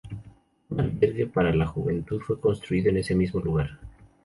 Un albergue para la juventud fue construido en ese mismo lugar.